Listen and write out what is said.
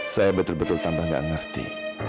saya betul betul tambah nggak ngerti